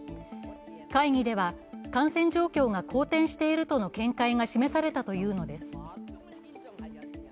会議では感染状況が好転しているとの見解が示されたというのです。